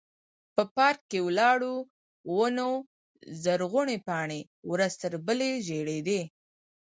په پارک کې ولاړو ونو زرغونې پاڼې ورځ تر بلې ژړېدې.